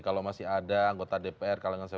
kalau masih ada anggota dpr kalau masih ada anggota dpr